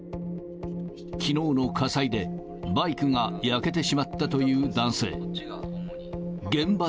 きのうの火災で、バイクが焼けてしまったという男性。